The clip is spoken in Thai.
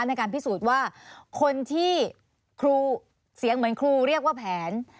ในการพิสูจน์ว่าคนที่ครูเสียงเหมือนครูเรียกว่าแผน